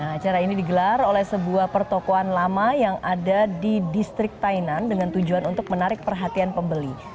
nah acara ini digelar oleh sebuah pertokoan lama yang ada di distrik tainan dengan tujuan untuk menarik perhatian pembeli